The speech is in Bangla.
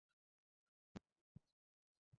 সত্যিই লবণ দেব?